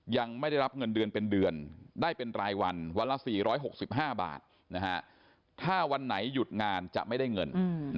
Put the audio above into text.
ยังไม่ได้รับเงินเดือนเป็นเดือนได้เป็นรายวันวันละ๔๖๕บาทถ้าวันไหนหยุดงานจะไม่ได้เงิน